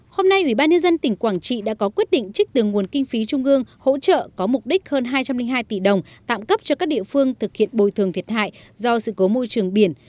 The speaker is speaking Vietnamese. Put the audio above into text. hôm nay ủy ban nhân dân tỉnh quảng trị đã có quyết định trích từ nguồn kinh phí trung ương hỗ trợ có mục đích hơn hai trăm linh hai tỷ đồng tạm cấp cho các địa phương thực hiện bồi thường thiệt hại do sự cố môi trường biển